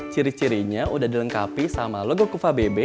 ciri cirinya udah dilengkapi sama logo kufa bebe